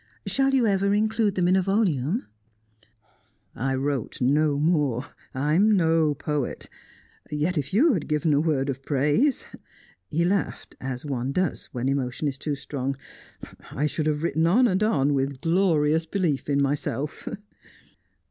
Shall you ever include them in a volume?" "I wrote no more, I am no poet. Yet if you had given a word of praise" he laughed, as one does when emotion is too strong "I should have written on and on, with a glorious belief in myself."